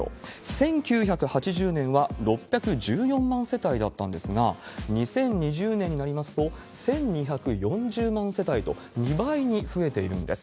１９８０年は６１４万世帯だったんですが、２０２０年になりますと１２４０万世帯と２倍に増えているんです。